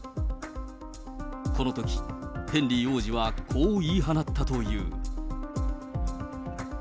このとき、ヘンリー王子はこう言い放ったという。